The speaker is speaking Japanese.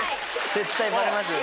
絶対バレますよね。